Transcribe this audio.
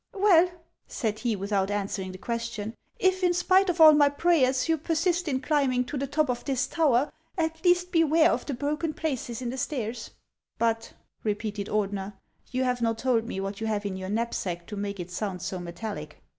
" Well," said he, without answering the question, " if, in spite of all my prayers, you persist in climbing to the top of this tower, at least beware of the broken places in the stairs." " But," repeated Ordener, " you have not told me what you have in your knapsack to make it sound so metallic."